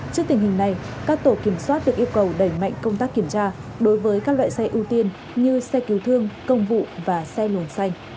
trước tình hình này các tổ kiểm soát được yêu cầu đẩy mạnh công tác kiểm tra đối với các loại xe ưu tiên như xe cứu thương công vụ và xe luồng xanh